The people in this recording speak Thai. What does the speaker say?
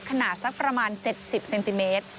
ขนาดสักประมาณ๗๐เซนติเมตร